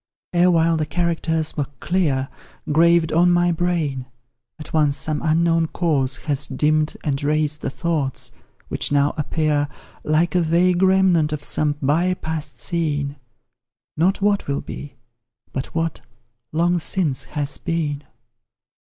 Erewhile the characters were clear, Graved on my brain at once some unknown cause Has dimm'd and razed the thoughts, which now appear, Like a vague remnant of some by past scene; Not what will be, but what, long since, has been.